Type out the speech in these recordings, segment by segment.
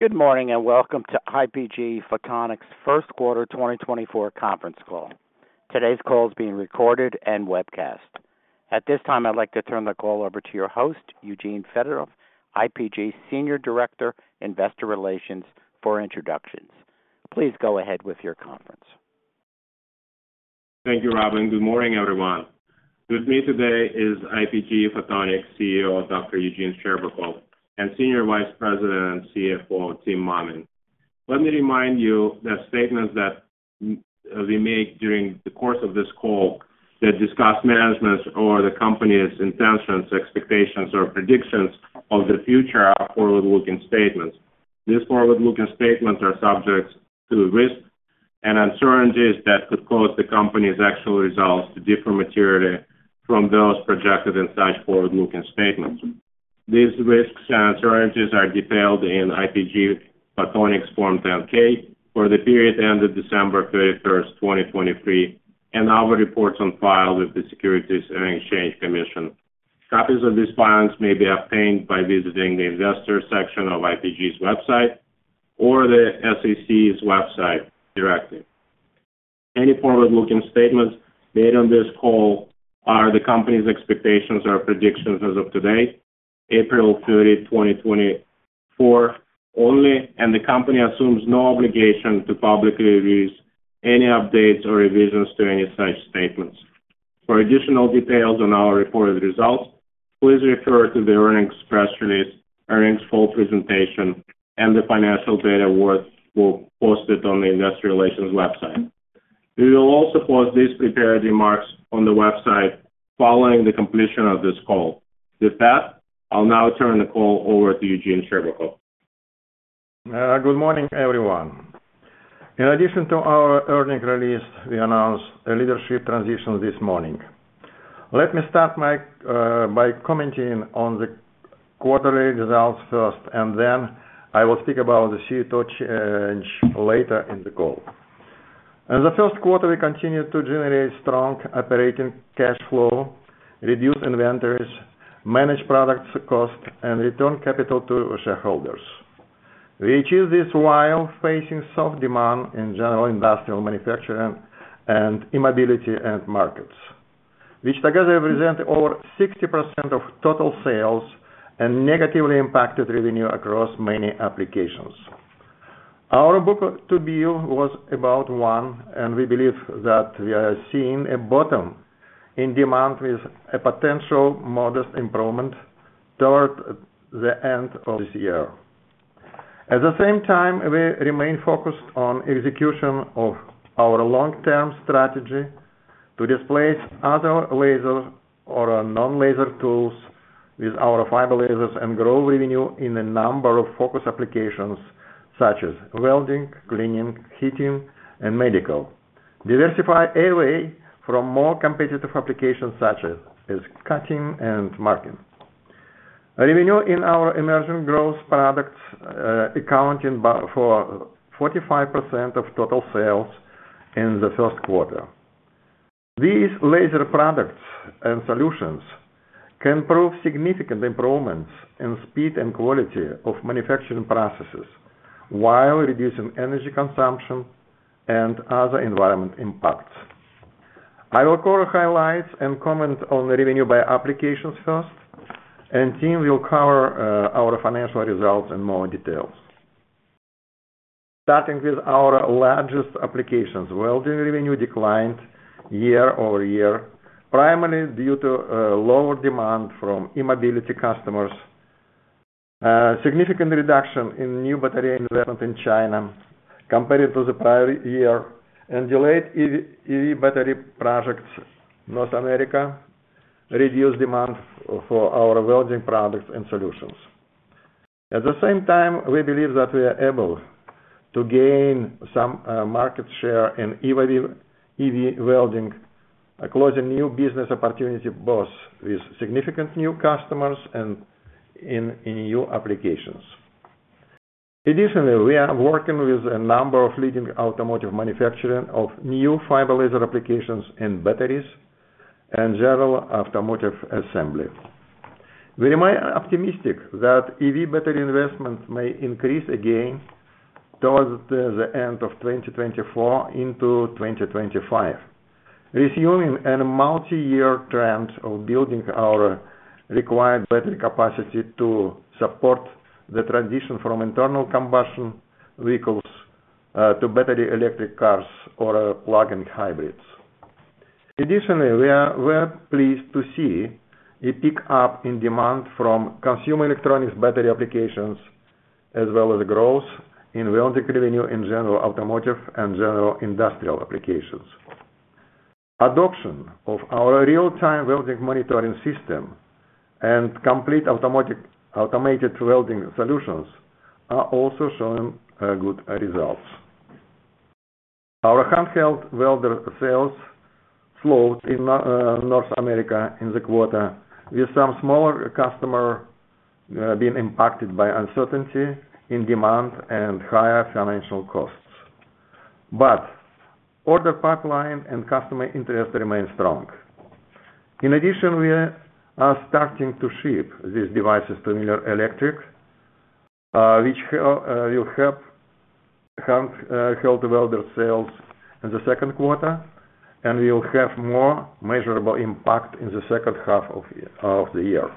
Good morning and welcome to IPG Photonics' Q1 2024 conference call. Today's call is being recorded and webcast. At this time, I'd like to turn the call over to your host, Eugene Fedotoff, IPG's Senior Director, Investor Relations, for introductions. Please go ahead with your conference. Thank you, Robin. Good morning, everyone. With me today is IPG Senior Vice President and CFO, Timothy Mammen. Let me remind you that statements that we make during the course of this call that discuss management's or the company's intentions, expectations, or predictions of the future are forward-looking statements. These forward-looking statements are subject to risks and uncertainties that could cause the company's actual results to differ materially from those projected in such forward-looking statements. These risks and uncertainties are detailed in IPG Photonics Form 10-K for the period ended December 31st, 2023, and other reports on file with the Securities and Exchange Commission. Copies of these files may be obtained by visiting the investors' section of IPG's website or the SEC's website directly. Any forward-looking statements made on this call are the company's expectations or predictions as of today, April 30, 2024 only, and the company assumes no obligation to publicly release any updates or revisions to any such statements. For additional details on our reported results, please refer to the earnings press release, earnings full presentation, and the financial data were posted on the investor relations website. We will also post these prepared remarks on the website following the completion of this call. With that, I'll now turn the call over to Eugene Scherbakov. Good morning, everyone. In addition to our earnings release, we announced a leadership transition this morning. Let me start by commenting on the quarterly results first, and then I will speak about the CEO change later in the call. In the Q1, we continued to generate strong operating cash flow, reduce inventories, manage product costs, and return capital to shareholders. We achieved this while facing soft demand in general industrial manufacturing and e-mobility markets, which together represent over 60% of total sales and negatively impacted revenue across many applications. Our book-to-bill was about one, and we believe that we are seeing a bottom in demand with a potential modest improvement toward the end of this year. At the same time, we remain focused on execution of our long-term strategy to displace other laser or non-laser tools with our fiber lasers and grow revenue in a number of focus applications such as welding, cleaning, heating, and medical, diversify away from more competitive applications such as cutting and marking. Revenue in our emerging growth products accounted for 45% of total sales in the Q1. These laser products and solutions can prove significant improvements in speed and quality of manufacturing processes while reducing energy consumption and other environmental impacts. I will cover highlights and comment on revenue by applications first, and Tim will cover our financial results in more details. Starting with our largest applications, welding revenue declined year-over-year, primarily due to lower demand from mobility customers, a significant reduction in new battery investment in China compared to the prior year, and delayed EV battery projects in North America reduced demand for our welding products and solutions. At the same time, we believe that we are able to gain some market share in EV welding, closing new business opportunities with significant new customers and in new applications. Additionally, we are working with a number of leading automotive manufacturers on new fiber laser applications and batteries, and general automotive assembly. We remain optimistic that EV battery investment may increase again towards the end of 2024 into 2025, resuming a multi-year trend of building our required battery capacity to support the transition from internal combustion vehicles to battery electric cars or plug-in hybrids. Additionally, we are pleased to see a pickup in demand from consumer electronics battery applications as well as growth in welding revenue in general automotive and general industrial applications. Adoption of our real-time welding monitoring system and complete automated welding solutions are also showing good results. Our handheld welder sales slowed in North America in the quarter, with some smaller customers being impacted by uncertainty in demand and higher financial costs. But order pipeline and customer interest remain strong. In addition, we are starting to ship these devices to Miller Electric, which will help handheld welder sales in the second quarter, and we will have more measurable impact in the second half of the year.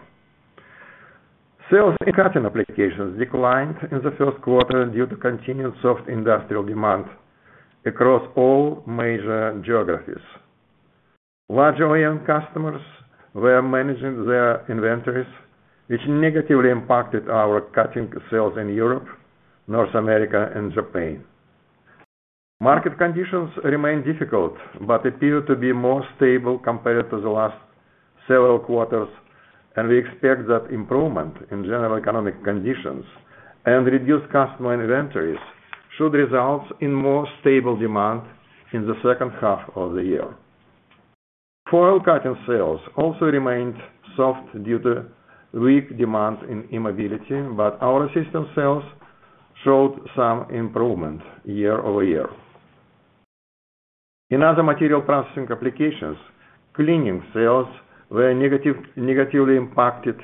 Sales in cutting applications declined in the Q1 due to continued soft industrial demand across all major geographies. Larger OEM customers were managing their inventories, which negatively impacted our cutting sales in Europe, North America, and Japan. Market conditions remain difficult but appear to be more stable compared to the last several quarters, and we expect that improvement in general economic conditions and reduced customer inventories should result in more stable demand in the second half of the year. Foil cutting sales also remained soft due to weak demand in e-mobility, but our system sales showed some improvement year-over-year. In other material processing applications, cleaning sales were negatively impacted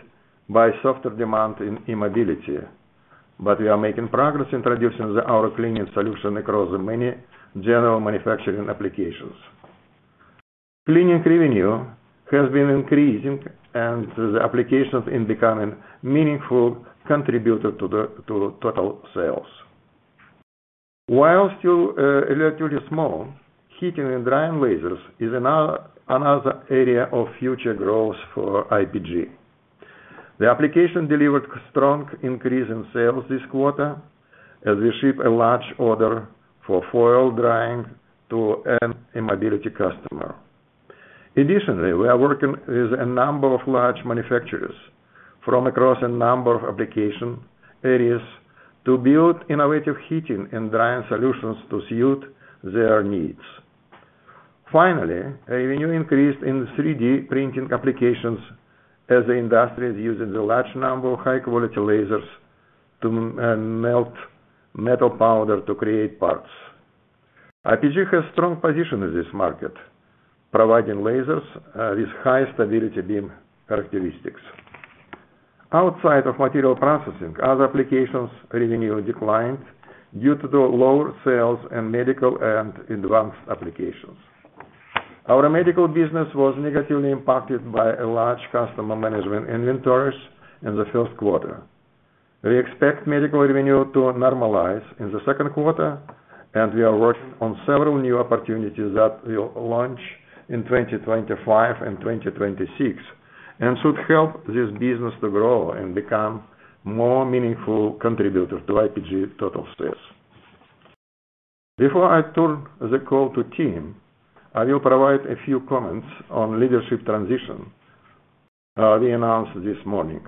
by softer demand in e-mobility, but we are making progress introducing our cleaning solution across many general manufacturing applications. Cleaning revenue has been increasing, and the applications are becoming meaningful contributors to total sales. While still relatively small, heating and drying lasers is another area of future growth for IPG. The application delivered a strong increase in sales this quarter as we shipped a large order for foil drying to an OEM customer. Additionally, we are working with a number of large manufacturers from across a number of application areas to build innovative heating and drying solutions to suit their needs. Finally, revenue increased in 3D printing applications as the industry is using a large number of high-quality lasers to melt metal powder to create parts. IPG has a strong position in this market, providing lasers with high stability beam characteristics. Outside of material processing, other applications' revenue declined due to lower sales in medical and advanced applications. Our medical business was negatively impacted by large customer-managed inventories in the Q1. We expect medical revenue to normalize in the second quarter, and we are working on several new opportunities that will launch in 2025 and 2026 and should help this business to grow and become more meaningful contributors to IPG's total sales. Before I turn the call to Tim, I will provide a few comments on the leadership transition we announced this morning.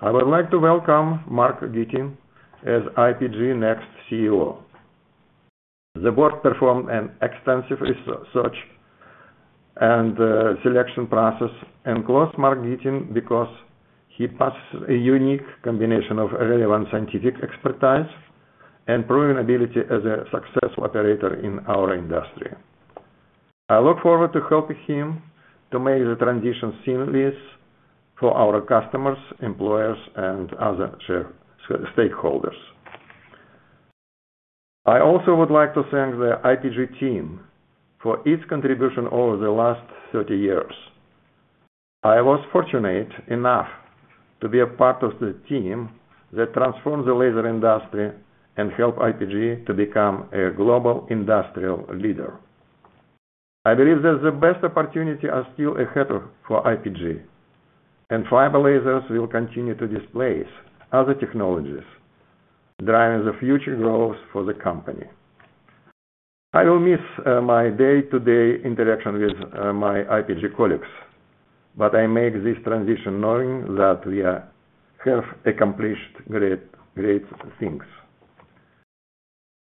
I would like to welcome Mark Gitin as IPG's next CEO. The board performed an extensive search and selection process and chose Mark Gitin because he possesses a unique combination of relevant scientific expertise and proven ability as a successful operator in our industry. I look forward to helping him to make the transition seamless for our customers, employees, and other stakeholders. I also would like to thank the IPG team for its contribution over the last 30 years. I was fortunate enough to be a part of the team that transformed the laser industry and helped IPG to become a global industrial leader. I believe that the best opportunities are still ahead for IPG, and fiber lasers will continue to displace other technologies, driving the future growth for the company. I will miss my day-to-day interaction with my IPG colleagues, but I make this transition knowing that we have accomplished great things.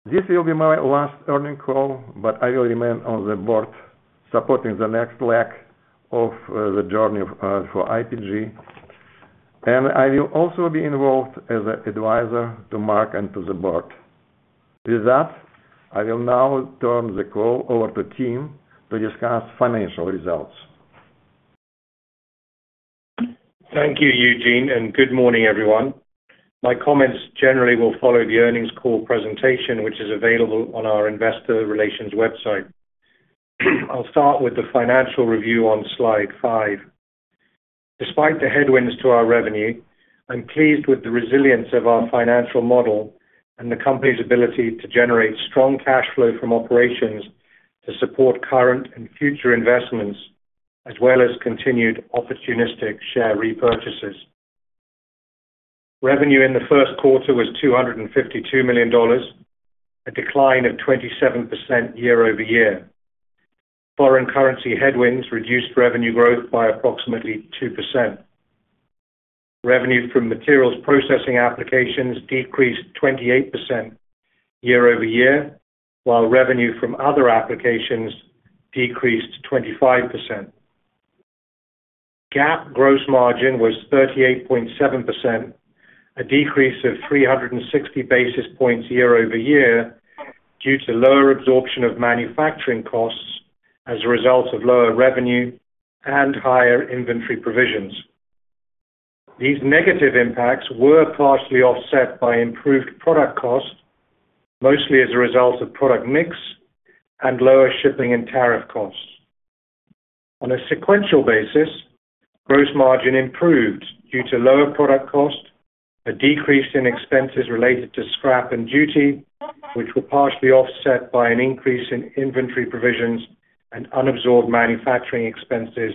This will be my last earnings call, but I will remain on the board supporting the next leg of the journey for IPG, and I will also be involved as an advisor to Mark and to the board. With that, I will now turn the call over to Tim to discuss financial results. Thank you, Eugene, and good morning, everyone. My comments generally will follow the earnings call presentation, which is available on our investor relations website. I'll start with the financial review on slide five. Despite the headwinds to our revenue, I'm pleased with the resilience of our financial model and the company's ability to generate strong cash flow from operations to support current and future investments as well as continued opportunistic share repurchases. Revenue in the Q1 was $252 million, a decline of 27% year-over-year. Foreign currency headwinds reduced revenue growth by approximately 2%. Revenue from materials processing applications decreased 28% year-over-year, while revenue from other applications decreased 25%. GAAP gross margin was 38.7%, a decrease of 360 basis points year-over-year due to lower absorption of manufacturing costs as a result of lower revenue and higher inventory provisions. These negative impacts were partially offset by improved product cost, mostly as a result of product mix and lower shipping and tariff costs. On a sequential basis, gross margin improved due to lower product cost, a decrease in expenses related to scrap and duty, which were partially offset by an increase in inventory provisions and unabsorbed manufacturing expenses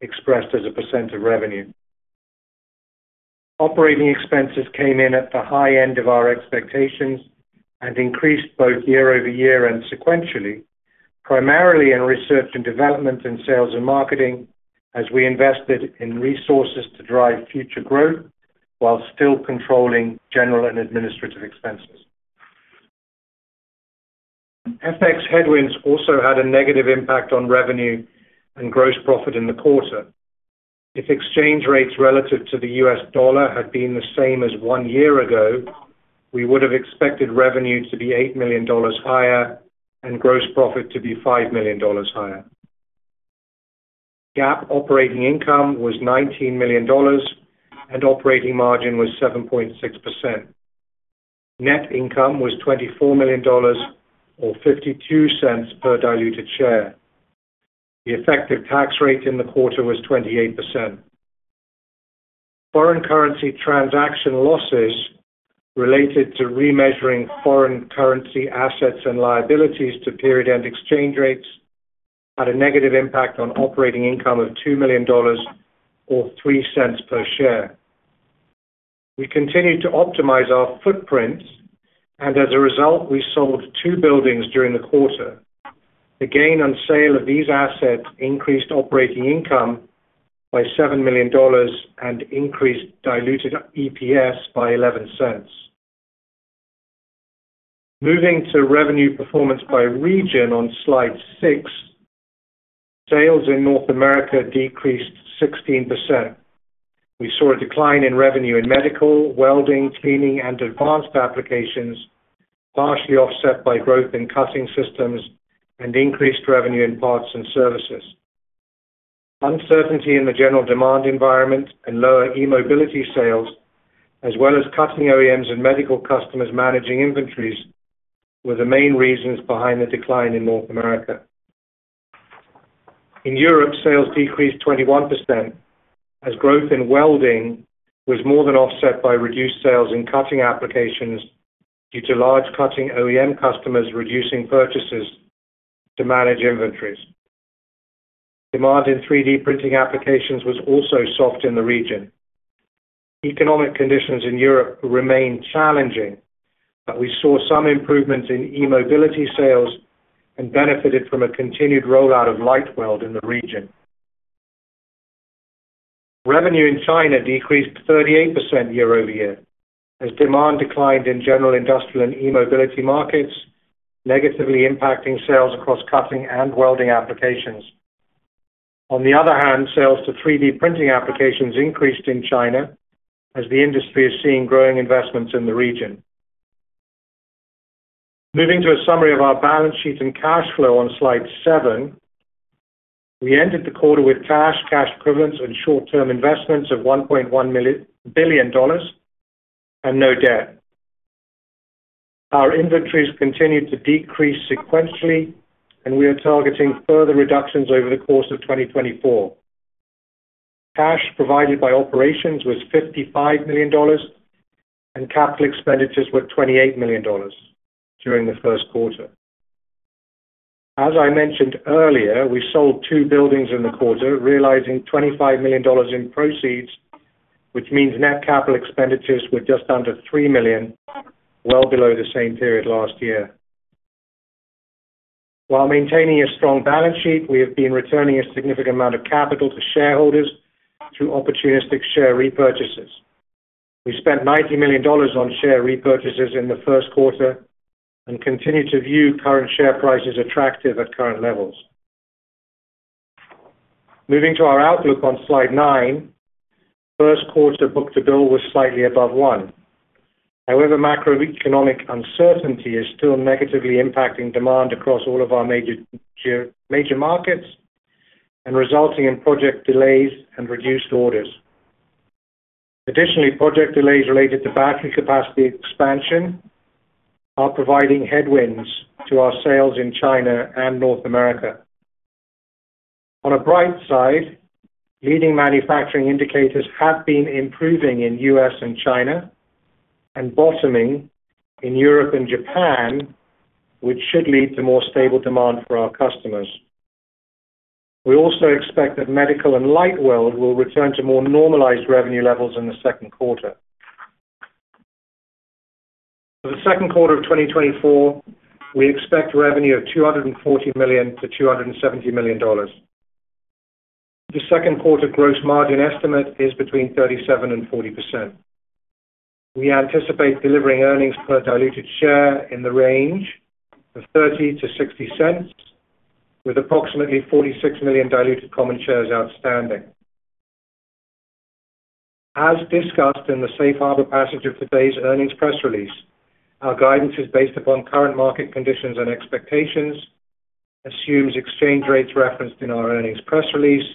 expressed as a % of revenue. Operating expenses came in at the high end of our expectations and increased both year-over-year and sequentially, primarily in research and development and sales and marketing as we invested in resources to drive future growth while still controlling general and administrative expenses. FX headwinds also had a negative impact on revenue and gross profit in the quarter. If exchange rates relative to the US dollar had been the same as one year ago, we would have expected revenue to be $8 million higher and gross profit to be $5 million higher. GAAP operating income was $19 million and operating margin was 7.6%. Net income was $24 million or $0.52 per diluted share. The effective tax rate in the quarter was 28%. Foreign currency transaction losses related to remeasuring foreign currency assets and liabilities to period-end exchange rates had a negative impact on operating income of $2 million or $0.03 per share. We continued to optimize our footprint, and as a result, we sold two buildings during the quarter. The gain on sale of these assets increased operating income by $7 million and increased diluted EPS by $0.11. Moving to revenue performance by region on slide six, sales in North America decreased 16%. We saw a decline in revenue in medical, welding, cleaning, and advanced applications, partially offset by growth in cutting systems and increased revenue in parts and services. Uncertainty in the general demand environment and lower mobility sales, as well as cutting OEMs and medical customers managing inventories, were the main reasons behind the decline in North America. In Europe, sales decreased 21% as growth in welding was more than offset by reduced sales in cutting applications due to large cutting OEM customers reducing purchases to manage inventories. Demand in 3D printing applications was also soft in the region. Economic conditions in Europe remain challenging, but we saw some improvements in mobility sales and benefited from a continued rollout of LightWELD in the region. Revenue in China decreased 38% year-over-year as demand declined in general industrial and mobility markets, negatively impacting sales across cutting and welding applications. On the other hand, sales to 3D printing applications increased in China as the industry is seeing growing investments in the region. Moving to a summary of our balance sheet and cash flow on slide seven, we ended the quarter with cash, cash equivalents, and short-term investments of $1.1 billion and no debt. Our inventories continued to decrease sequentially, and we are targeting further reductions over the course of 2024. Cash provided by operations was $55 million, and capital expenditures were $28 million during the Q1. As I mentioned earlier, we sold two buildings in the quarter, realizing $25 million in proceeds, which means net capital expenditures were just under $3 million, well below the same period last year. While maintaining a strong balance sheet, we have been returning a significant amount of capital to shareholders through opportunistic share repurchases. We spent $90 million on share repurchases in the Q1 and continue to view current share prices attractive at current levels. Moving to our outlook on slide nine, Q1 book-to-bill was slightly above one. However, macroeconomic uncertainty is still negatively impacting demand across all of our major markets and resulting in project delays and reduced orders. Additionally, project delays related to battery capacity expansion are providing headwinds to our sales in China and North America. On a bright side, leading manufacturing indicators have been improving in U.S. and China and bottoming in Europe and Japan, which should lead to more stable demand for our customers. We also expect that medical and LightWELD will return to more normalized revenue levels in the second quarter. For the second quarter of 2024, we expect revenue of $240 million-$270 million. The second quarter gross margin estimate is between 37%-40%. We anticipate delivering earnings per diluted share in the range of $0.30-$0.60, with approximately 46 million diluted common shares outstanding. As discussed in the Safe Harbor passage of today's earnings press release, our guidance is based upon current market conditions and expectations, assumes exchange rates referenced in our earnings press release,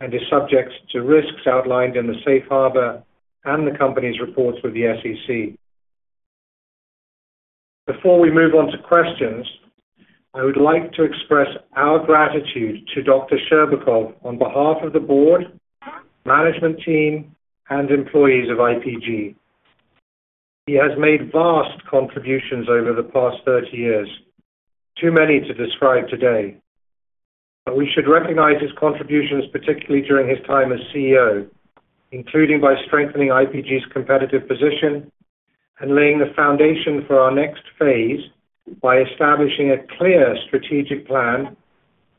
and is subject to risks outlined in the Safe Harbor and the company's reports with the SEC. Before we move on to questions, I would like to express our gratitude to Dr. Scherbakov on behalf of the board, management team, and employees of IPG. He has made vast contributions over the past 30 years, too many to describe today. But we should recognize his contributions, particularly during his time as CEO, including by strengthening IPG's competitive position and laying the foundation for our next phase by establishing a clear strategic plan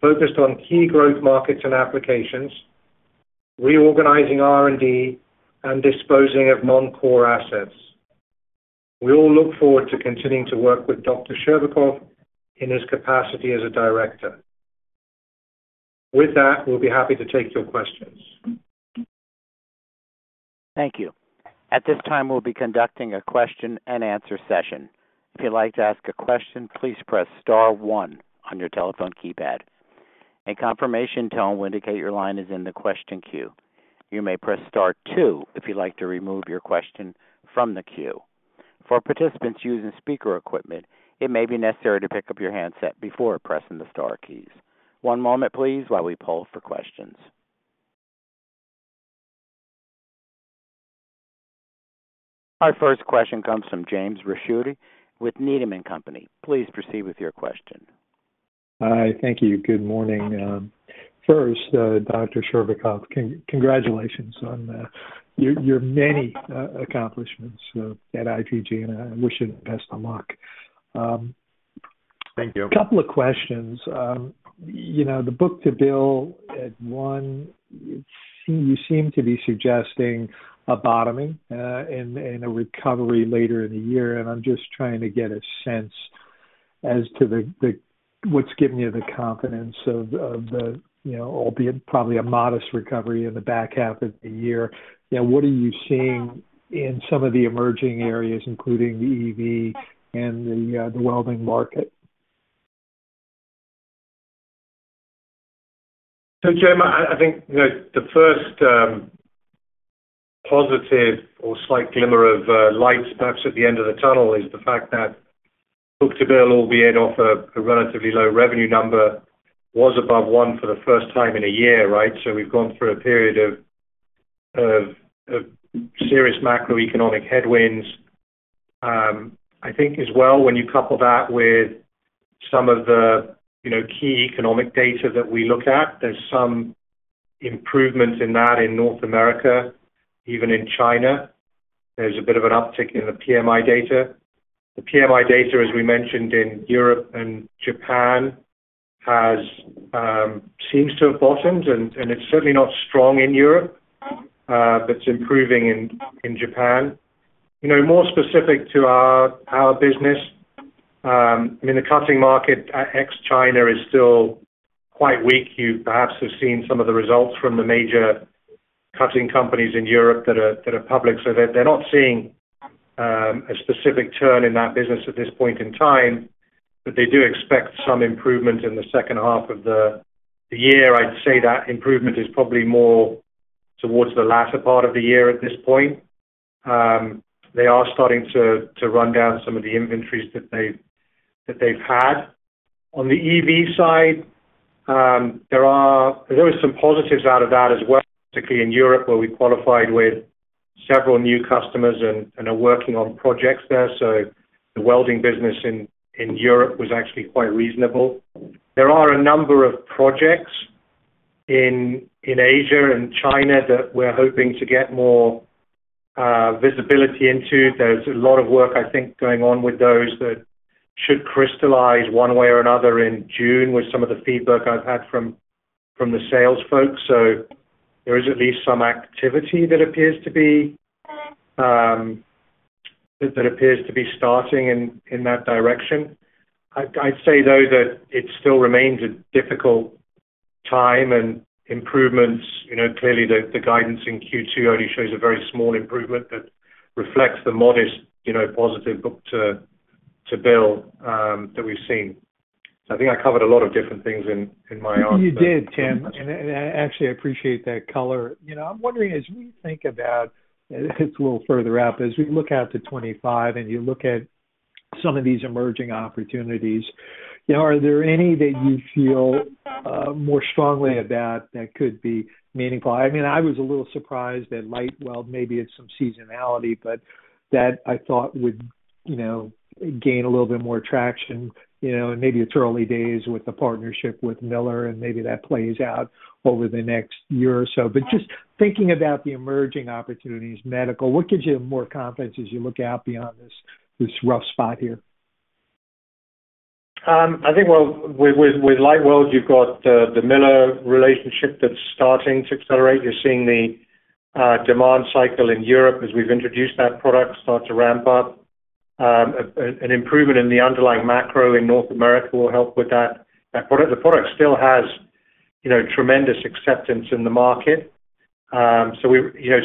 focused on key growth markets and applications, reorganizing R&D, and disposing of non-core assets. We all look forward to continuing to work with Dr. Scherbakov in his capacity as a director. With that, we'll be happy to take your questions. Thank you. At this time, we'll be conducting a question and answer session. If you'd like to ask a question, please press star one on your telephone keypad. A confirmation tone will indicate your line is in the question queue. You may press star two if you'd like to remove your question from the queue. For participants using speaker equipment, it may be necessary to pick up your handset before pressing the star keys. One moment, please, while we poll for questions. Our first question comes from James Ricchiuti with Needham & Company. Please proceed with your question. Hi. Thank you. Good morning. First, Dr. Scherbakov, congratulations on your many accomplishments at IPG, and I wish you the best of luck. Thank you. Couple of questions. The book-to-bill at 1, you seem to be suggesting a bottoming and a recovery later in the year. And I'm just trying to get a sense as to what's given you the confidence of the, albeit probably a modest recovery in the back half of the year. What are you seeing in some of the emerging areas, including the EV and the welding market? So, James, I think the first positive or slight glimmer of lights, perhaps at the end of the tunnel, is the fact that book-to-bill, albeit off a relatively low revenue number, was above one for the first time in a year, right? So we've gone through a period of serious macroeconomic headwinds. I think as well, when you couple that with some of the key economic data that we look at, there's some improvements in that in North America, even in China. There's a bit of an uptick in the PMI data. The PMI data, as we mentioned, in Europe and Japan seems to have bottomed, and it's certainly not strong in Europe, but it's improving in Japan. More specific to our business, I mean, the cutting market at ex-China is still quite weak. You perhaps have seen some of the results from the major cutting companies in Europe that are public. So they're not seeing a specific turn in that business at this point in time, but they do expect some improvement in the second half of the year. I'd say that improvement is probably more towards the latter part of the year at this point. They are starting to run down some of the inventories that they've had. On the EV side, there were some positives out of that as well, particularly in Europe, where we qualified with several new customers and are working on projects there. So the welding business in Europe was actually quite reasonable. There are a number of projects in Asia and China that we're hoping to get more visibility into. There's a lot of work, I think, going on with those that should crystallize one way or another in June with some of the feedback I've had from the sales folks. So there is at least some activity that appears to be starting in that direction. I'd say, though, that it still remains a difficult time, and improvements, clearly, the guidance in Q2 only shows a very small improvement that reflects the modest positive book-to-bill that we've seen. So I think I covered a lot of different things in my answer. You did, Tim. And actually, I appreciate that color. I'm wondering, as we think about, and it's a little further up, as we look out to 2025 and you look at some of these emerging opportunities, are there any that you feel more strongly about that could be meaningful? I mean, I was a little surprised at LightWELD. Maybe it's some seasonality, but that I thought would gain a little bit more traction. And maybe it's early days with the partnership with Miller, and maybe that plays out over the next year or so. But just thinking about the emerging opportunities, medical, what gives you more confidence as you look out beyond this rough spot here? I think, well, with LightWELD, you've got the Miller relationship that's starting to accelerate. You're seeing the demand cycle in Europe as we've introduced that product start to ramp up. An improvement in the underlying macro in North America will help with that. The product still has tremendous acceptance in the market. So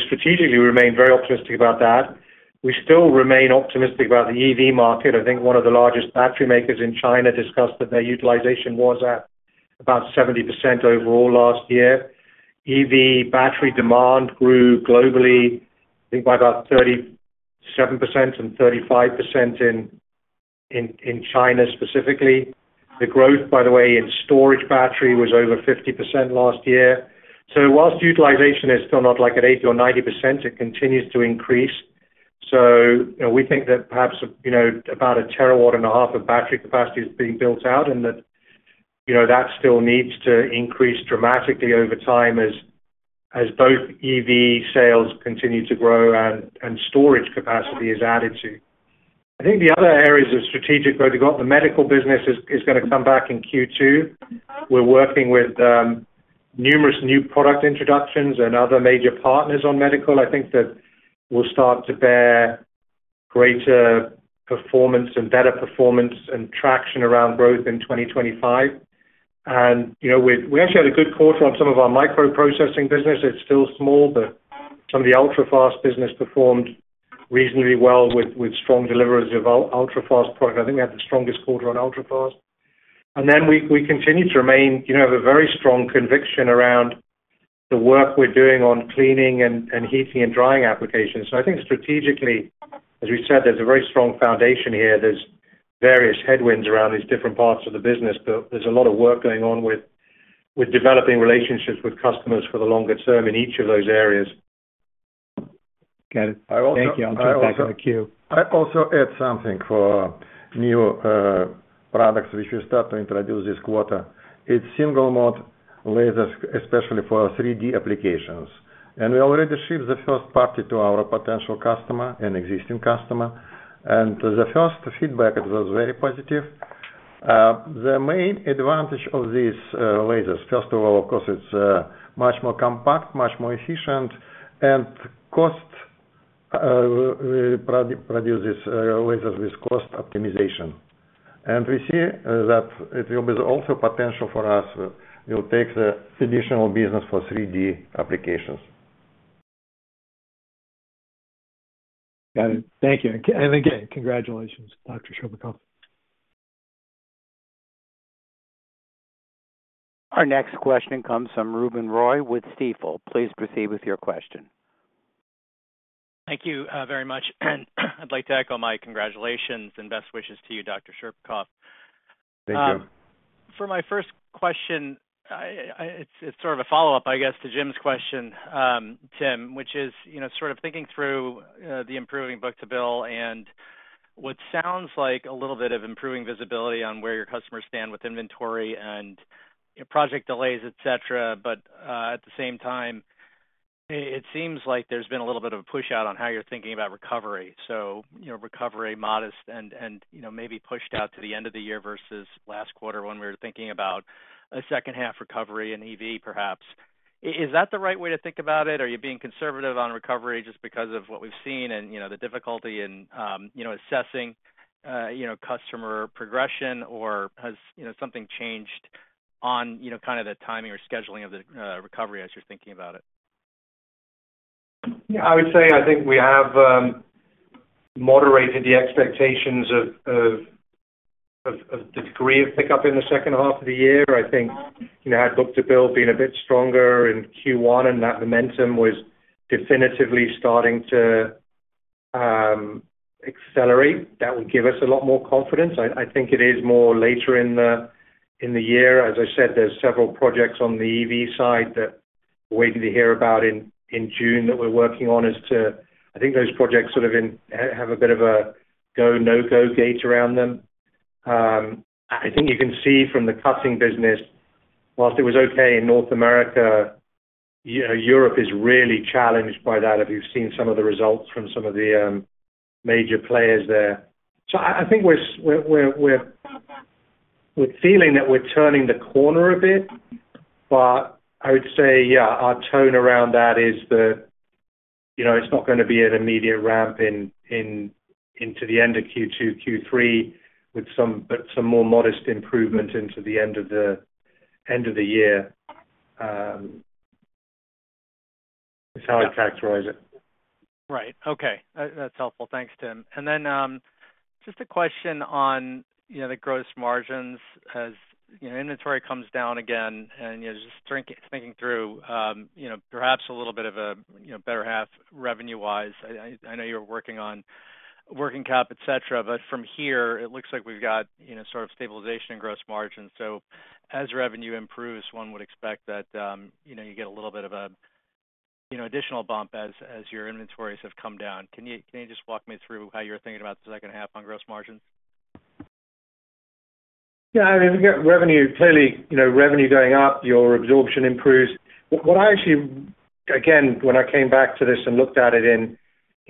strategically, we remain very optimistic about that. We still remain optimistic about the EV market. I think one of the largest battery makers in China discussed that their utilization was at about 70% overall last year. EV battery demand grew globally, I think, by about 37% and 35% in China specifically. The growth, by the way, in storage battery was over 50% last year. So while utilization is still not at 80% or 90%, it continues to increase. So we think that perhaps about 1.5 terawatts of battery capacity is being built out and that that still needs to increase dramatically over time as both EV sales continue to grow and storage capacity is added to. I think the other areas of strategic growth, you've got the medical business is going to come back in Q2. We're working with numerous new product introductions and other major partners on medical, I think, that will start to bear greater performance and better performance and traction around growth in 2025. And we actually had a good quarter on some of our microprocessing business. It's still small, but some of the ultrafast business performed reasonably well with strong deliverables of ultrafast product. I think we had the strongest quarter on ultrafast. And then we continue to remain, have a very strong conviction around the work we're doing on cleaning and heating and drying applications. So I think strategically, as we said, there's a very strong foundation here. There's various headwinds around these different parts of the business, but there's a lot of work going on with developing relationships with customers for the longer term in each of those areas. Got it. Thank you. I'll jump back on the queue. I also add something for new products which we start to introduce this quarter. It's single-mode lasers, especially for 3D applications. We already shipped the first batch to our potential customer and existing customer. The first feedback, it was very positive. The main advantage of these lasers, first of all, of course, it's much more compact, much more efficient, and cost. We produce these lasers with cost optimization. We see that it will be also potential for us. We'll take the additional business for 3D applications. Got it. Thank you. And again, congratulations, Dr. Scherbakov. Our next question comes from Ruben Roy with Stifel. Please proceed with your question. Thank you very much. I'd like to echo my congratulations and best wishes to you, Dr. Scherbakov. Thank you. For my first question, it's sort of a follow-up, I guess, to Jame's question, Tim, which is sort of thinking through the improving book-to-bill and what sounds like a little bit of improving visibility on where your customers stand with inventory and project delays, etc. But at the same time, it seems like there's been a little bit of a push out on how you're thinking about recovery. So recovery modest and maybe pushed out to the end of the year versus last quarter when we were thinking about a second-half recovery in EV, perhaps. Is that the right way to think about it? Are you being conservative on recovery just because of what we've seen and the difficulty in assessing customer progression, or has something changed on kind of the timing or scheduling of the recovery as you're thinking about it? Yeah. I would say I think we have moderated the expectations of the degree of pickup in the second half of the year. I think had book-to-bill been a bit stronger in Q1 and that momentum was definitively starting to accelerate, that would give us a lot more confidence. I think it is more later in the year. As I said, there's several projects on the EV side that we're waiting to hear about in June that we're working on as to I think those projects sort of have a bit of a go-no-go gate around them. I think you can see from the cutting business, while it was okay in North America, Europe is really challenged by that if you've seen some of the results from some of the major players there. So I think we're feeling that we're turning the corner a bit. But I would say, yeah, our tone around that is that it's not going to be an immediate ramp into the end of Q2, Q3, but some more modest improvement into the end of the year is how I'd characterize it. Right. Okay. That's helpful. Thanks, Tim. And then just a question on the gross margins. As inventory comes down again, and just thinking through, perhaps a little bit of a better half revenue-wise. I know you're working on working cap, etc. But from here, it looks like we've got sort of stabilization in gross margins. So as revenue improves, one would expect that you get a little bit of an additional bump as your inventories have come down. Can you just walk me through how you're thinking about the second half on gross margins? Yeah. I mean, revenue clearly revenue going up, your absorption improves. What I actually, again, when I came back to this and looked at it in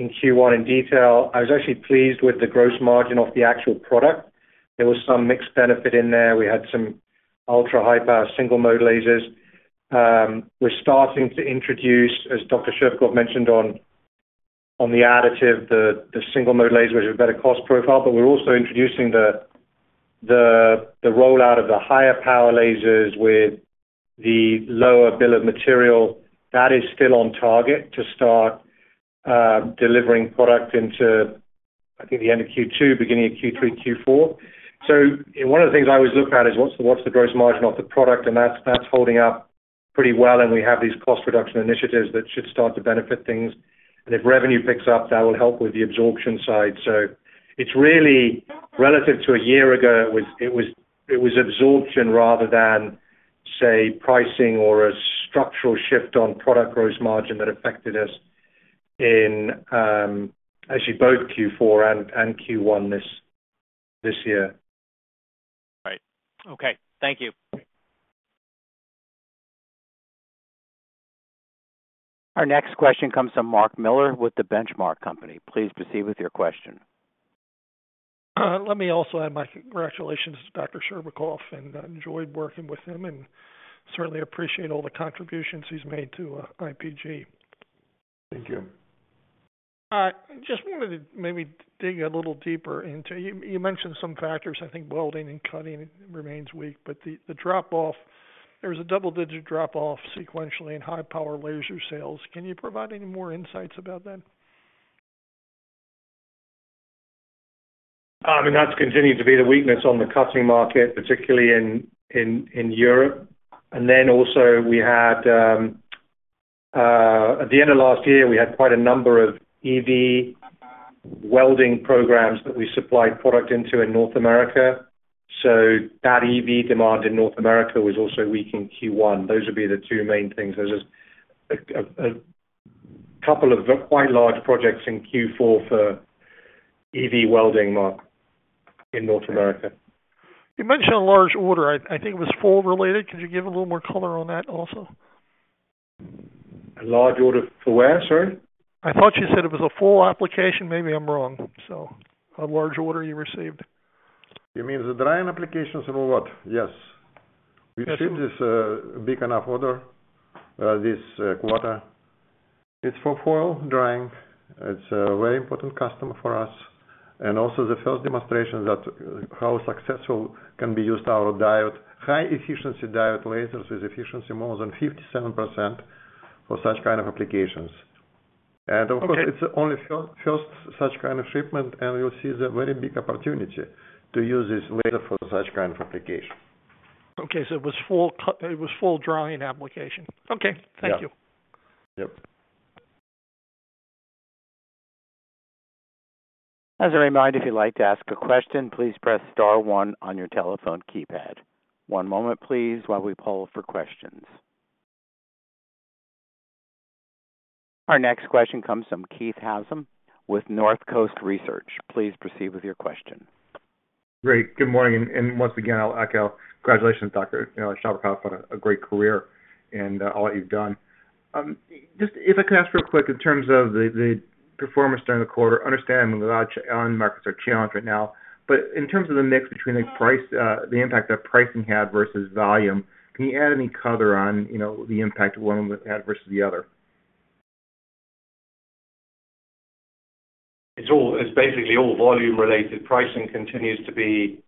Q1 in detail, I was actually pleased with the gross margin off the actual product. There was some mixed benefit in there. We had some ultra-hyper single-mode lasers. We're starting to introduce, as Dr. Scherbakov mentioned on the additive, the single-mode laser with a better cost profile. But we're also introducing the rollout of the higher-power lasers with the lower bill of material. That is still on target to start delivering product into, I think, the end of Q2, beginning of Q3, Q4. So one of the things I always look at is what's the gross margin off the product? And that's holding up pretty well. And we have these cost reduction initiatives that should start to benefit things. And if revenue picks up, that will help with the absorption side. So it's really relative to a year ago, it was absorption rather than, say, pricing or a structural shift on product gross margin that affected us actually both Q4 and Q1 this year. Right. Okay. Thank you. Our next question comes from Mark Miller with the Benchmark Company. Please proceed with your question. Let me also add my congratulations to Dr. Scherbakov and enjoyed working with him and certainly appreciate all the contributions he's made to IPG. Thank you. I just wanted to maybe dig a little deeper into you mentioned some factors. I think welding and cutting remains weak, but the drop-off, there was a double-digit drop-off sequentially in high-power laser sales. Can you provide any more insights about that? I mean, that's continued to be the weakness on the cutting market, particularly in Europe. And then also, at the end of last year, we had quite a number of EV welding programs that we supplied product into in North America. So that EV demand in North America was also weak in Q1. Those would be the two main things. There's a couple of quite large projects in Q4 for EV welding, Mark, in North America. You mentioned a large order. I think it was foil-related. Could you give a little more color on that also? A large order for where? Sorry? I thought you said it was a full application. Maybe I'm wrong, so. A large order you received. You mean the drying applications or what? Yes. We received this big enough order this quarter. It's for foil drying. It's a very important customer for us. And also the first demonstration that how successful can be used our high-efficiency diode lasers with efficiency more than 57% for such kind of applications. And of course, it's only first such kind of shipment, and we'll see the very big opportunity to use this laser for such kind of application. Okay. So it was full drying application. Okay. Thank you. Yep. As a reminder, if you'd like to ask a question, please press star 1 on your telephone keypad. One moment, please, while we pull for questions. Our next question comes from Keith Housum with Northcoast Research. Please proceed with your question. Great. Good morning. And once again, I'll echo congratulations, Dr. Scherbakov, on a great career and all that you've done. Just if I could ask real quick, in terms of the performance during the quarter, understanding the large end-markets are challenged right now, but in terms of the mix between the impact that pricing had versus volume, can you add any color on the impact one had versus the other? It's basically all volume-related. Pricing continues to be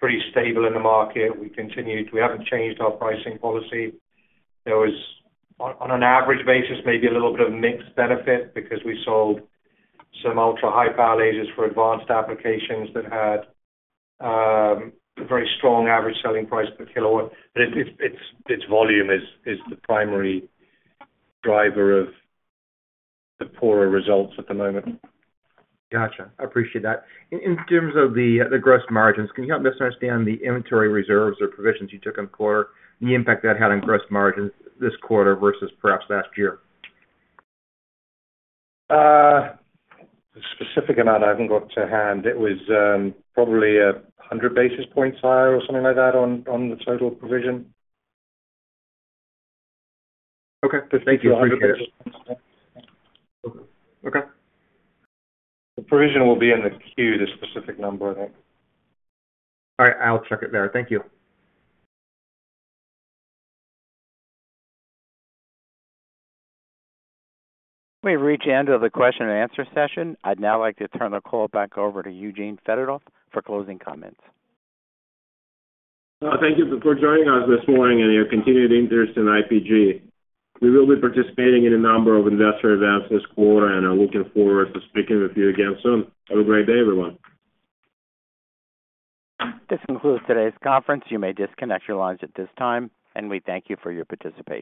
pretty stable in the market. We haven't changed our pricing policy. There was, on an average basis, maybe a little bit of mixed benefit because we sold some ultra-hyper lasers for advanced applications that had a very strong average selling price per kilowatt. But its volume is the primary driver of the poorer results at the moment. Gotcha. I appreciate that. In terms of the gross margins, can you help me understand the inventory reserves or provisions you took in the quarter, the impact that had on gross margins this quarter versus perhaps last year? The specific amount I haven't got to hand. It was probably 100 basis points higher or something like that on the total provision. Okay. Thank you. I appreciate it. Okay. The provision will be in the queue, the specific number, I think. All right. I'll check it there. Thank you. We reached the end of the question-and-answer session. I'd now like to turn the call back over to Eugene Fedotoff for closing comments. Thank you for joining us this morning and your continued interest in IPG. We will be participating in a number of investor events this quarter, and I'm looking forward to speaking with you again soon. Have a great day, everyone. This concludes today's conference. You may disconnect your lines at this time, and we thank you for your participation.